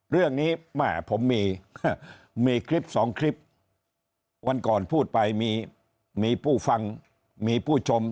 เรื่องนี้แม่ผมมีคลิปสองคลิปวันก่อนพูดไปมีผู้ฟังมีผู้ชม